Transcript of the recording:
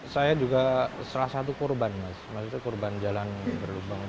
saya juga salah satu korban mas maksudnya korban jalan berlubang